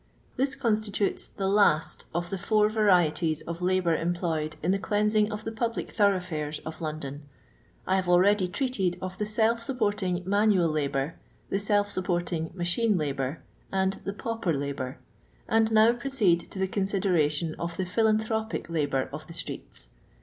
Tnis constitutes the last of the four yarietics of labour employed in the cleansing of the public thuroughfures of London. I hare already treated of the self supporting manual labour, the self supporting machine labour, and the pauper labour, and now proceed to the eonsideration <^ the phi lanthropic labour of the streets.